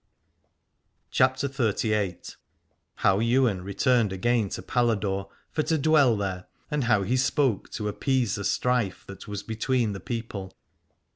238 CHAPTER XXXVIII. HOW YWAIN RETURNED AGAIN TO PALADORE FOR TO DWELL THERE, AND HOW HE SPOKE TO APPEASE A STRIFE THAT WAS BETWEEN THE PEOPLE.